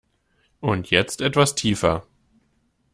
Und jetzt etwas tiefer!